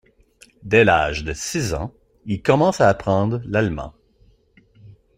Dès l'âge de six ans, il commence à apprendre l'allemand.